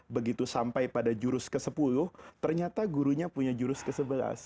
begitu sampai pada jurus ke sepuluh ternyata gurunya punya jurus ke sebelas